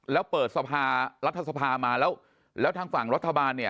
แล้วเปิดสภารัฐสภามาแล้วแล้วทางฝั่งรัฐบาลเนี่ย